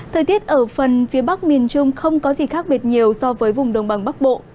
thời tiết ở phần phía bắc miền trung không có gì khác biệt nhiều so với vùng đồng bằng bắc bộ